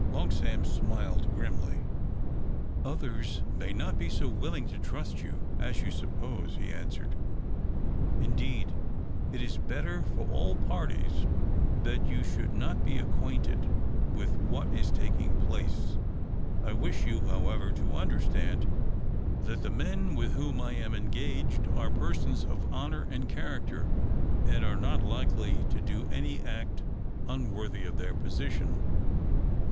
Long Sam smiled grimly. "Others may not be so willing to trust you as you suppose," he answered. "Indeed, it is better for all parties that you should not be acquainted with what is taking place. I wish you, however, to understand, that the men with whom I am engaged are persons of honour and character, and are not likely to do any act unworthy of their position."